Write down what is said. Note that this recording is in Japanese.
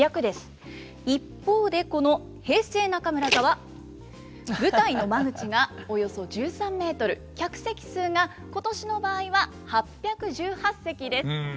一方でこの平成中村座は舞台の間口がおよそ１３ｍ客席数が今年の場合は８１８席です。